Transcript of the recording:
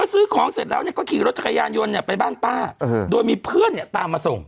ซื้อของเสร็จแล้วเนี่ยก็ขี่รถจักรยานยนต์เนี่ยไปบ้านป้าโดยมีเพื่อนเนี่ยตามมาส่ง